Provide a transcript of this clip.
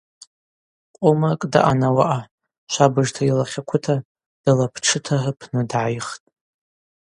Къомракӏ даъан ауаъа, швабыжта йылахь аквыта, далаптшыта рпны дгӏайхтӏ.